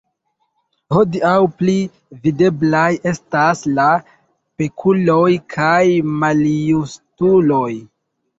Hodiaŭ, pli videblaj estas la pekuloj kaj maljustuloj.